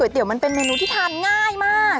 เตี๋ยมันเป็นเมนูที่ทานง่ายมาก